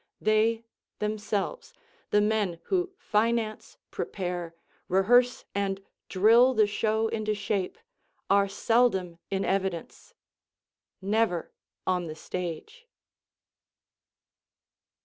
They, themselves, the men who finance, prepare, rehearse and drill the show into shape, are seldom in evidence never on the stage.